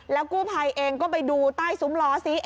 กู้ภัยเองก็ไปดูใต้ซุ้มล้อซิ